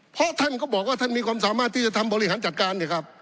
เพราะท่านก็บอกว่าท่านมีความสามารถที่จะทำบริหารจัดการเนี่ยครับ